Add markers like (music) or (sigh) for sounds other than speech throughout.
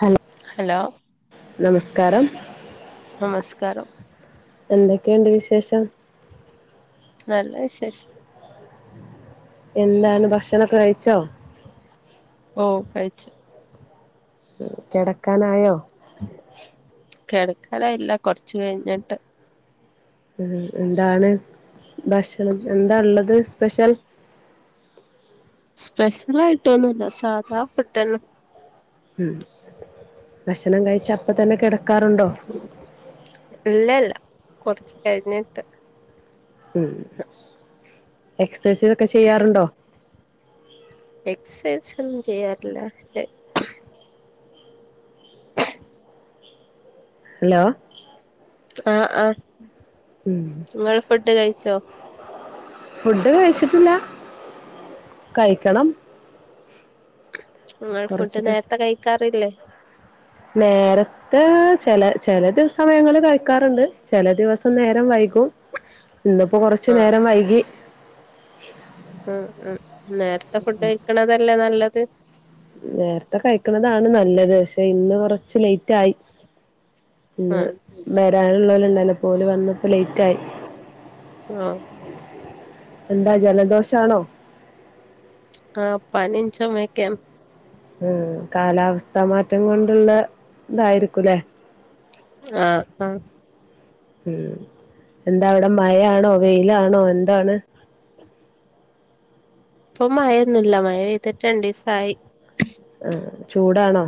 Hello hello നമസ്കാരം നമസ്കാരം എന്തക്കെയുണ്ട് വിശേഷം? നല്ല വിശേഷം എന്താണ് ഭക്ഷണൊക്കെ കഴിച്ചോ? ഓഹ് കഴിച്ച് കെടക്കാനായോ? കെടക്കാനായില്ല കൊർച്ച് കഴിഞ്ഞിട്ട്. ഉം എന്താണ് ഭക്ഷണം എന്താ ഇള്ളത് സ്പെഷ്യൽ? സ്പെഷ്യൽ ആയിട്ടൊന്നുല്ല സാധാ ഫുഡ്ന്നെ. ഉം ഭക്ഷണം കഴിച്ച അപ്പ തന്നെ കെടക്കാറുണ്ടോ? ഇല്ലല്ല കൊർച്ച് കഴിഞ്ഞിട്ട് ഉം എക്സസൈസ് ഇതൊക്കെ ചെയ്യാറുണ്ടോ? എക്സസൈസ് ഒന്നും ചെയ്യാറില്ല പക്ഷേ ഹലോ? ആഹ് ആഹ് ഉം ഇങ്ങള് ഫുഡ് കഴിച്ചോ? ഫുഡ് കഴിച്ചിട്ടില്ല കഴിക്കണം ഇങ്ങള് ഫുഡ് കൊറച്ചൊക്കെ നേര്ത്തെ കഴിക്കാറില്ലേ? നേരം ത്ത് ചെല ചെല ദിവസം സമയങ്ങളിൽ കഴിക്കാറ്ണ്ട് ചെല ദിവസം നേരം വൈകും. ഇന്ന്പ്പൊ കൊറച്ച് ആ നേരം വൈകി. ആഹ് ഉം. നേര്ത്തെ ഫുഡഴിക്ക്ണതല്ലെ നല്ലത്? നേര്ത്തെ കഴിക്ക്ണതാണ് നല്ലത്. പക്ഷെ ഇന്ന് കൊറ ച്ച് ലൈറ്റായി ആ ഇന്ന് ഉം വരാന്ള്ളോല്ണ്ടെയ്നു അപ്പൊ ഓല് വന്നപ്പ ലെയ്റ്റായി. ആഹ് എന്താ ജല ദോഷാണോ? ആഹ് പനിം ചൊമയക്കേന് ഉം കാലാവസ്ഥാ മാറ്റം കൊണ്ട്ള്ള ഇതായിരിക്കുംല്ലേ? ആഹ് ആഹ് ഉം എന്താ അവടെ മഴയാണോ വെയിലാണോ എന്താണ്? പ്പം മയെന്നുല്ല മയ പെയ്തിട്ട് രണ്ടീസായി. ആഹ്. ചൂടാണോ?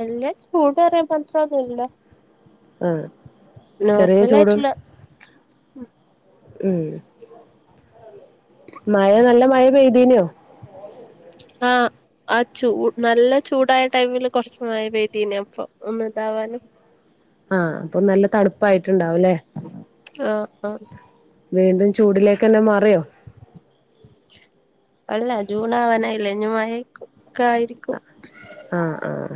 വല്യ ചൂട്റിയാമാത്രൊന്നുല്ല. ആഹ്. നോർമലായിട്ട്ള്ള ഉം. മയ നല്ല മയ പെയ്തീനോ? ആഹ്. ആ ചൂ നല്ല ചൂടായ ടൈമില് കൊറ്ച്ച് മഴ പെയ്തീനെ. അപ്പൊ ഒന്ന് താവാന്. ആഹ്. അപ്പൊ നല്ല തണുപ്പായിട്ട്ണ്ടാവുല്ലേ? ആഹ്. ആഹ്. വീണ്ടും ചൂടിലേക്കെല്ലാം മാറിയോ? അല്ല. ജൂണാവാനായില്ലെ ഞ്ഞ് മഴ ക്കെ ആയിരിക്കും. ആഹ് ആഹ്.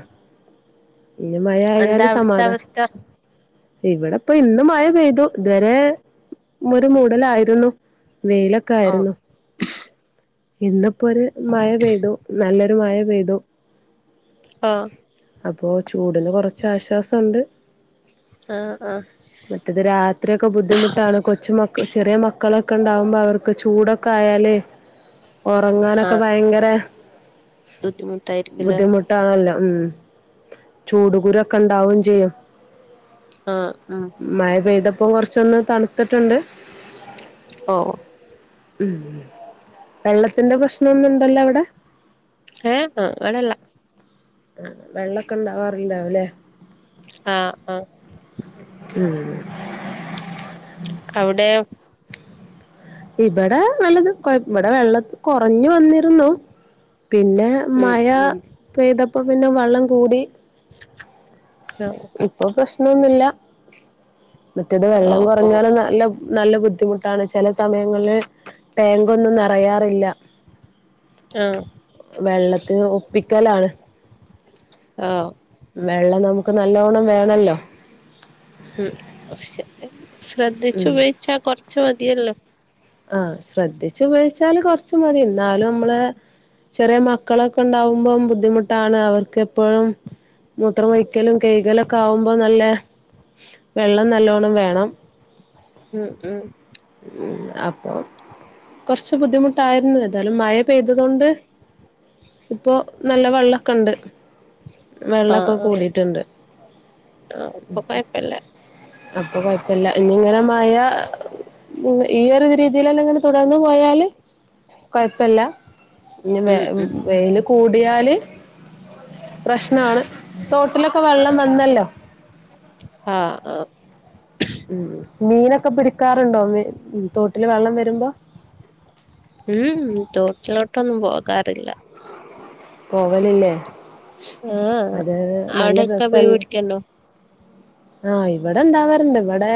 ഞ്ഞ് എന്താ മയായാല് അവിടുത്തെ സമാധാ അവസ്ഥ ഇവിടെപ്പൊ ഇന്ന് മയ പെയ്തു. തവരെ ഒരു മൂടലായിരുന്നു. വെയില ആഹ് ക്കായിരുന്നു. ഇന്ന്പ്പൊര് മയ പെയ്തു. നല്ലൊര് മയ പെയ്തു. ആഹ്. അപ്പോ ചൂടിന് കൊറച്ചാശ്വാസണ്ട്. ആഹ് ആഹ്. റ്റത് രാത്രിയൊക്കെ ബുദ്ധിമുട്ടാണ്. കൊച്ചുമക്ക ചെറിയ മക്കളൊക്കെണ്ടാവുമ്പോ അവർക്ക് ചൂടൊക്കായാലെ. ഒറങ്ങാനൊക്കെ ആഹ് ഭയങ്കര. (unintelligible) ബുദ്ധിമുട്ടാണല്ലോ. ഉം. ചൂട്കുരൊക്കെ ണ്ടാവും ചെയ്യും. ആഹ്. ഉം. മയ പെയ്തപ്പൊ കൊറച്ചൊന്ന് തണ്ത്തട്ട്ണ്ട്. ഓ. ഉം. വെള്ളത്തിന്റെ പ്രശ്നൊന്നു ണ്ടല്ലോ അവിടെ? ഏ എ വടെല്ല. വെള്ളൊക്കെ ണ്ടാവാറ്ണ്ടാവുംല്ലേ? ആഹ് ആഹ്. ഉം. അവട്യോ? ഇബടെ വെള്ള കൊയ് ഇവടെ വെള്ള കൊറഞ്ഞ് വന്നിരുന്നു. പിന്നെ ഉം മയ ഉം പെയ്തപ്പോ പിന്നെ വള്ളം കൂടി. ഓ പ്പൊ പ്രശ്നൊന്നുല്ല. മറ്റേത് വെള്ളം ഓ കൊറഞ്ഞാല് നല്ല നല്ല ബുദ്ധിമുട്ടാണ്. ചെല സമയങ്ങളില് ടാങ്കൊന്നും നെറയാറില്ല. ആഹ് വെള്ളത്തിന് ഒപ്പിക്കലാണ്. ആഹ് വെള്ളം നമുക്ക് നല്ലോണ്ണം വേണല്ലോ? ഉം പക്ഷെ ഉം ശ്രദ്ധിച്ച് ഉപയോഗിച്ചാ കൊർച് മതിയല്ലോ. ആ ശ്രദ്ധിച്ചു ഉപയോഗിച്ചാല് കൊർ ച്ച് മതി ന്നാലും മ്മളെ. ചെറിയ മക്കളൊക്കെ ണ്ടാവുമ്പോ ബുദ്ധിമുട്ടാണ് അവർക്ക് എ പ്പഴും. മൂത്രംമൊഴിക്കലും കൈകലൊക്കെ ആകുമ്പോ നല്ല വെള്ളം നല്ലോണ്ണം വേണം. ഉം ഉം ഉ അപ്പം. കൊർച്ച് ബുദ്ധിമുട്ടായിരുന്നു ഏതായാലും മഴ പെയ്തതോണ്ട്. ഇപ്പോ നല്ല വെള്ളൊക്കെണ്ട്. ആഹ് വെള്ളൊക്കെ ആഹ് കൂടീട്ടുണ്ട്. ആഹ് ഇപ്പൊ കൊഴപ്പല്ല അപ്പൊ കുഴപ്പല്ല ഇഞ്ഞിങ്ങനെ മഴ ഉം ഈ ഒരു രീതിലെന്നെങ്ങനെ തുടർന്നു പോയാല് കൊഴപ്പല്ല. ഇഞ്ഞി വ ഉം ഉം വെയില് കൂടിയാല് പ്രശ്നാണ്. തോട്ടിലൊക്കെ വെള്ളം വന്നല്ലോ. ആഹ് ആഹ് ഉം മീനൊക്കെ പിടിക്കാറുണ്ടോ തോട്ടില് വെള്ളം വരുമ്പോ? ഉം ഉം തോട്ടിലോട്ടൊന്നും പോകാറില്ല. പോവലില്ലേ ആഹ് അത് നല്ല അവിടെക്കെ മീൻ രസല്ലേ. പിടിക്കല്ലോ ആഹ് ഇവടെ ഇണ്ടാവാറുണ്ട് ഇവടെ.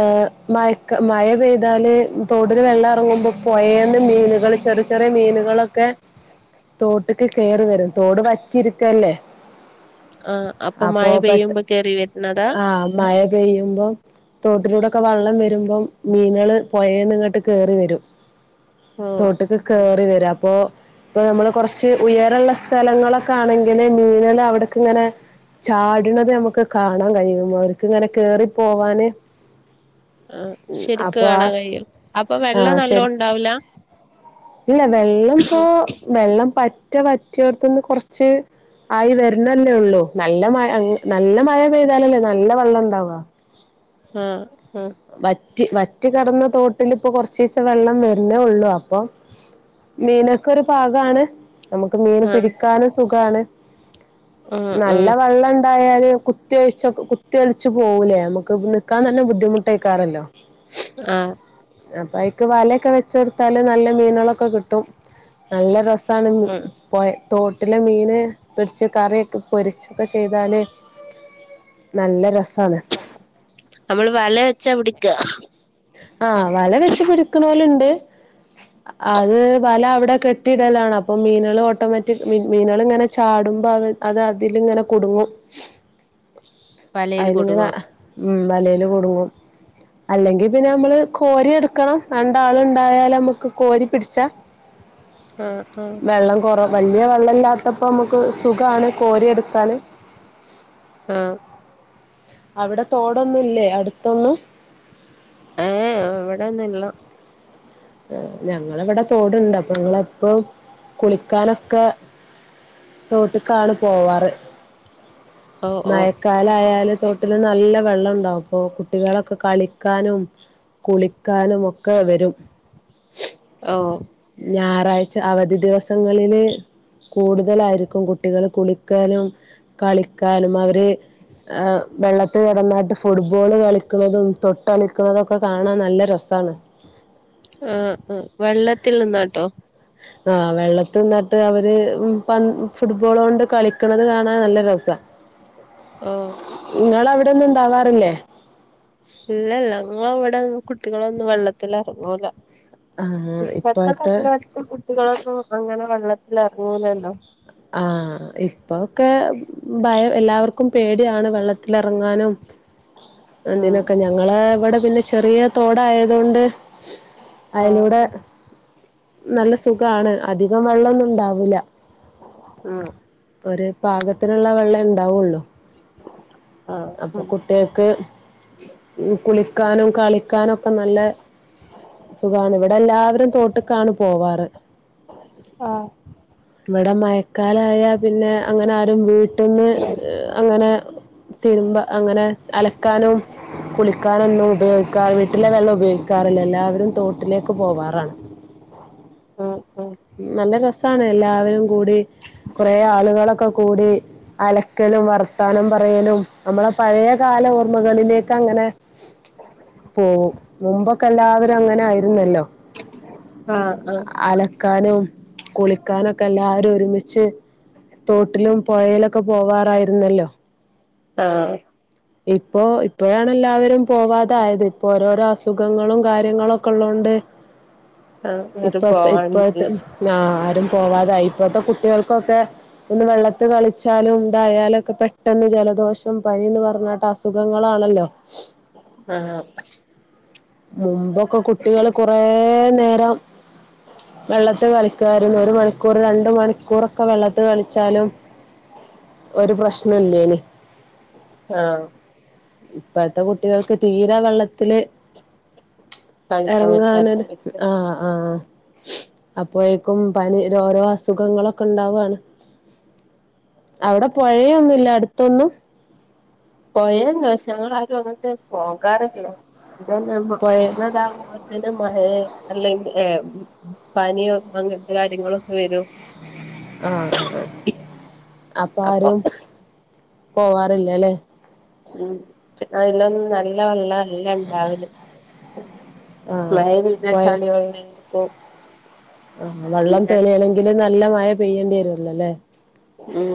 ആഹ് മയക്ക മഴ പെയ്താല് തോടില് വെള്ളം ഇറങ്ങുമ്പോ പൊയേന്ന് മീനുകള് ചെർ ചെറിയ മീനുകളൊക്കെ. തോട്ട്ക്ക് കേറി വരും തോട് വറ്റിരിക്കല്ലേ. ആഹ് അപ്പൊ മഴ പെട്ട പെയ്യുമ്പോ കേറി വര്ന്നതാ? ആഹ് മയ പെയ്യുമ്പോം തോട്ടിലൂടെക്കെ വള്ളം വരുമ്പോം മീൻങ്ങള്. പൊഴേന്ന് ഇങ്ങട്ട് കേറിവരും ഓഹ് തോട്ട്ക്ക് കേറിവരും അപ്പോ പ്പൊ നമ്മള് കൊർച്ച് ഉയരള്ള സ്ഥലങ്ങളൊക്കെ ആണെങ്കില് മീനേള് അവ്ട്ക്ക്ങ്ങനെ. ചാടണത് നമുക്ക് കാണാൻ കഴിയും അവർക്ക്ങ്ങനെ കേറി പോവാന്. ആഹ് ഉം ശരിക്ക് അപ്പൊ ആ കാണാൻ കഴിയും അപ്പൊ വെള്ളം ആഹ് ശരി നല്ലോണ്ടാവൂല. ഇല്ല വെള്ളം പ്പൊ വെള്ളം പറ്റെ വറ്റിയോട്ത്ത്ന്ന് കൊർച് ആയി വരുന്നല്ലേ ഉള്ളൂ നല്ല മ നല്ല മഴ പെയ്താലല്ലേ നല്ല വെള്ളം ഉണ്ടാവ. ആഹ് ആഹ്. വറ്റി വറ്റി കട്ന്ന തോട്ടിലിപ്പൊ കൊർചീച്ചേ വെള്ളം വരുന്നേ ഉള്ളൂ അപ്പം. മീനൊക്കൊരു പാകാണ്. നമ്മക്ക് മീന് ആഹ് പിടിക്കാനും സുഖാണ് ആഹ് നല്ല ആഹ് വെള്ളം ഇണ്ടായാല് കു കുത്തി ഒഴിച്ച് കുത്തി ഒലിച്ചു പോകൂലേ നമുക്ക് നിക്കാൻ തന്നെ ബുദ്ധിമുട്ടേക്കാരല്ലോ. ആഹ്. അപ്പൊ അയിക്ക് വലയൊക്കെ വെച്ചോടുത്താല് നല്ല മീനുകളൊക്കെ കിട്ടും. നല്ല രസാണ്. ആഹ് പൊഴ തോട്ടിലെ മീൻ പൊര്ച്ച് കറിയൊക്കെ പൊരിച്ചൊക്കെ ചെയ്താല്. നല്ല രസാണ്. നമ്മള് വല വെച്ചാ പിടിക്ക. ആഹ് വല വെച്ച് പിടിക്കണോലുണ്ട്. അത് വല അവിടെ കെട്ടിയിടലാണ് അപ്പോ മീനുകള് ഓട്ടോമാറ്റിക് മ മീനുകള് ഇങ്ങനെ ചാടുമ്പോൾ അവ അത് അതിലിങ്ങനെ കുടുങ്ങും. വലയില് അയിലിങ്ങനെ കുടുങ്ങും ഉം വലേല് കുടുങ്ങും അല്ലെങ്കി. പിന്നെ നമ്മള് കോരി എടുക്കണം രണ്ടാള്ണ്ടായാല് നമ്മക്ക് കോരി പിട്ച്ചാ ആഹ് ആഹ്. വെള്ളം കുറവ വലിയ വെള്ളല്ലാത്തപ്പോൾ നമുക്ക് സുഖാണ് കോരി എടുക്കാന് ആഹ്. അവിടെ തോടൊന്നുല്ലേ അട്ത്തൊന്നും. ഇവിടൊന്നുല്ലാ ഞങ്ങളെവിടെ തോട്ണ്ട് അപ്പൊ (unintelligible) കുളിക്കാനൊക്കെ തോട്ട്ക്കാണ് പോവാറ് ഓഹ് മയ ഓഹ് കാലായാല് തോട്ടില് നല്ല വെള്ളംണ്ടാവും പ്പൊ കുട്ടികളൊക്കെ കളിക്കാനും കുളിക്കാനും ഒക്കെ വരും ഓ ഞായറാഴ്ച അവധി ദിവസങ്ങളില് കൂടുതലായിരിക്കും കുട്ടികള് കുളിക്കാനും കളിക്കാനും അവര് ഏ വെള്ളത്തി കെടന്നായിട്ട് ഫുട്ബോള് കളിക്ണതും തൊട്ടളിക്ണതും ഒക്കെ കാണാൻ നല്ല രസാണ് ആഹ് ആഹ് വെള്ളത്തിൽ നിന്നാട്ടോ ആഹ് വെള്ളത്തി ന്നട്ട്ട്ട് അവര് പന്ത്‌ ഫുട്ബോളോണ്ട് കളിക്ണത് കാണാൻ നല്ല രസാ ഓഹ് ഇങ്ങളവിടോന്നും ണ്ടാവാറില്ലേ ഇല്ലല്ല ങ്ങളവിടെന്നും കുട്ടികളൊന്നും വെള്ളത്തിലെറ്ങ്ങുല ആഹ് ഇപ്പത്തെ ഇപ്പോഴത്തെ (unintelligible) കുട്ടികളൊന്നും അങ്ങനെ വെള്ളത്തിലെറ്ങ്ങൂലല്ലോ ആഹ് ഇപ്പൊക്കെ ഭയം എല്ലാവർക്കും പേടിയാണ് വള്ള ത്ത്ലറ്ങ്ങാനും ഉം എന്തിനൊക്കെ ഞങ്ങളെ വ്ടെ പിന്നെ ചെറിയ തോടായതൊണ്ട് അയ്ലൂടെ ആഹ് നല്ല സുഖാണ് അധികം വെള്ളോന്നുംണ്ടാവൂല്ല ആഹ് ഒര് പാകത്തിനുള്ള വെള്ളെ ണ്ടാവോള്ളൂ അപ്പൊ ആഹ് കുട്ടികൾക്ക് കുളിക്കാനും കളിക്കാനും ഒക്കെ നല്ല സുഖാണ് ഇവിടെ എല്ലാവരും തോട്ട്ക്കാണ് പോവാറ് ആഹ് ഇവടെ മയക്കാലായാ പിന്നെ അങ്ങനെ ആരും വീട്ടിന്ന് അങ്ങനെ തിരുമ്പ അങ്ങനെ അലക്കാനും കുളിക്കാനൊന്നും ഉപയോഗിക്കാ വീട്ടിലെ വെള്ളം ഉപയോഗിക്കാറില്ല എല്ലാവരും തോട്ടിലേക്ക് പോവാറാണ് ഉം ഉം നല്ല രസാണ് എല്ലാവരും കൂടി കൊറെ ആളുകളൊക്കെ കൂടി അലക്കലും വർത്താനം പറയലും നമ്മളെ പഴെയ കാല ഓർമ്മകളിലേക്ക് അങ്ങനെ പോവും മുമ്പൊക്കെ എല്ലാവരും അങ്ങനായിരുന്നല്ലോ ആഹ് ആഹ് അലക്കാനും കുളിക്കാനും ഒക്കെ എല്ലാരും ഒരുമിച്ച് തോട്ടിലും പൊഴയിലൊക്കെ പോവാറായിരുന്നല്ലോ ആഹ് ഇപ്പോ ഇപ്പോഴാണ് എല്ലാവരും പോവാതൊയത് ഇപ്പോ ഓരോരോ അസുഖങ്ങളും കാര്യങ്ങളൊക്കെ ഉള്ളോണ്ട് ആഹ് ആരും ഇപ്പഴത്തെ ഇപ്പഴത്തെ പോവാണ്ടില്ല ആഹ് ആരും പോവാതായി ഇപ്പത്തെ കുട്ട്യോൾക്കൊക്കെ ഒന്ന് വെള്ളത്തി കളിച്ചാലും ഇതായാലൊക്കെ പെട്ടെന്ന് ജലദോഷം പനിന്ന് പറ പറ്ഞ്ഞിട്ട് അസുഖങ്ങളാണല്ലോ ആഹ് മുമ്പൊക്കെ കുട്ടികള് കൊറേ നേരം വെള്ളത്ത് കളിക്കാര്ന്നു ഒര് മണി ക്കൂറ് രണ്ട് മണിക്കൂറൊക്കെ വെള്ളത്ത് കളിച്ചാലും ഒരു പ്രശ്നു ഇല്ലേനി ആഹ് ഇപ്പഴത്തെ കുട്ടികൾക്ക് തീരെ വെള്ളത്തില് കളിക്കാൻ പറ്റാത്ത എറ്ങ്ങാനൊര് അവസ്ഥ ആഹ് ആഹ് അപ്പോയെക്കും പനി ഓരോ അസുഖങ്ങളൊക്കെ ണ്ടാവാണ് അവിടെ പൊഴയൊന്നുല്ലെ അടുത്തൊന്നും പൊയണ്ട് പക്ഷെ ഞങ്ങളാരും അങ്ങട്ട് പോകാറില്ല (unintelligible) പൊഴ ഇതിന്റെ മയേ അല്ലെങ്കി ഏ പനിയോ, അങ്ങനത്തെ കാര്യങ്ങളൊക്കെ വരും. ആഹ അ അ, അപ്പൊ ആരും പോവാറില്ലലെ? ഉം, അതിലൊന്നും നല്ല വെള്ളല് ല്ലണ്ടാവല് ആഹ് മയ പെയ്ത പൊഴ ചളി വെള്ളായിരിക്കും. ആഹ് വെള്ളം പിന്നെ തെളിയണെങ്കില് നല്ല മയ പെയ്യേണ്ടി വരോല്ലോലെ? ഉം,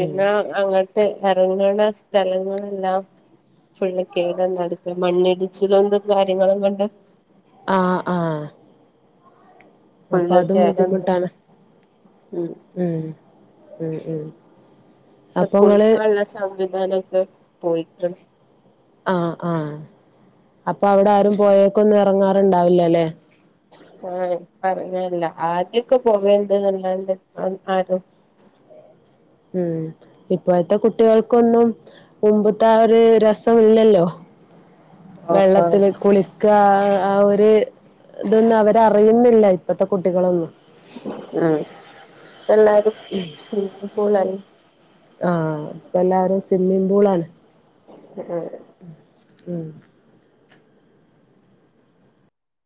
ഉം അങ്ങട്ട് എറങ്ങ്ണ സ്ഥലങ്ങളെല്ലാം... ഫുള്ള് കേടന്നടക്കാ, മണ്ണിടിച്ചിലോണ്ടും കാര്യങ്ങളും കൊണ്ടും ആ ആഹ് അപ്പൊ ഫുള്ള് അതും കേടന്നാണ് ബുദ്ധിമുട്ടാണ് ഉം ഉം ഉം ഇപ്പൊ അപ്പൊ ഇങ്ങള് കുളിക്കാനുള്ള സംവിധാനൊക്കെ പോയിക്ക്ണ്. ആ ആ അപ്പൊ അവിടെ ആരും പോഴേക്കൊന്നും എറങ്ങാറുണ്ടാവില്ല ലെ? ആഹ് ഇപ്പൊ എറങ്ങെലില്ല, ആദ്യൊക്കെ പോവല്ണ്ട് അല്ലാണ്ട് ആരും... ഉം, ഇപ്പോഴത്തെ കുട്ടികൾക്കൊന്നും... മുമ്പത്തെ ആ ഒരു രസം ഇല്ലല്ലോ. ആഹ് ആഹ് വെള്ളത്തിന് കുളിക്ക അ ആ ഒര്... ഇതൊന്നും അവരറിയുന്നില്ല, ഇപ്പത്തെ കുട്ടികളൊന്നും. അ ഇപ്പൊ എല്ലാരും... ഉം. സ്വിമ്മിങ് പൂളാണ് ആഹ് ഇപ്പൊല്ലാരും സ്വിമ്മിംഗ് പൂളാണ്. (unintelligible) ഉം.